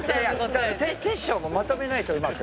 煌翔もまとめないとうまく。